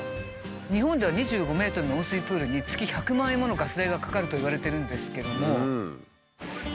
日本では２５ｍの温水プールに月１００万円ものガス代がかかるといわれてるんですけども。